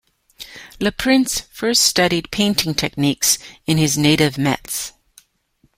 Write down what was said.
Le Prince first studied painting techniques in his native Metz.